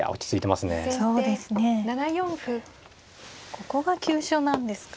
ここが急所なんですか。